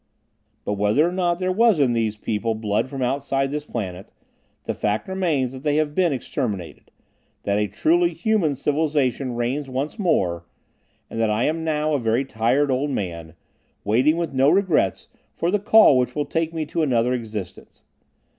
But whether or not there was in these people blood from outside this planet, the fact remains that they have been exterminated, that a truly human civilization reigns once more and that I am now a very tired old man, waiting with no regrets for the call which will take me to another existence.